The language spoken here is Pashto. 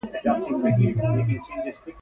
ملګری ته د زړه خبرې ویل اسانه وي